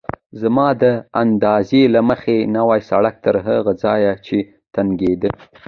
زما د اندازې له مخې نوی سړک تر هغه ځایه چې تنګېده.